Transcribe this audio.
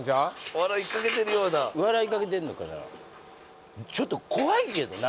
笑いかけてるような笑いかけてんのかなちょっと怖いけどな